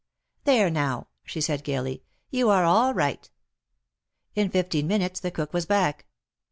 There now," she said, gayly, you are all right." In fifteen minutes the cook was back.